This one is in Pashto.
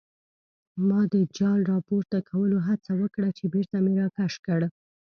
ما د جال راپورته کولو هڅه وکړه چې بېرته مې راکش کړ.